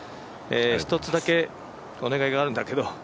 １つだけ、お願いがあるんだけど。